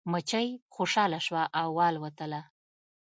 مچۍ خوشحاله شوه او والوتله.